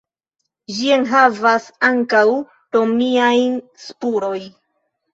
Ĝi enhavas ankaŭ romiajn spuroj.